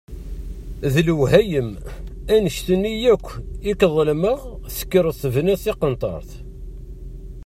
D lewhayem! Annect-nni akk i k-ḍelmeɣ, tekkreḍ tebniḍ tiqenṭert!